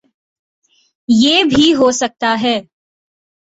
یہ بھی ہوسکتا ہے